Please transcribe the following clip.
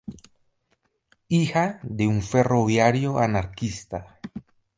Hija de un ferroviario anarquista.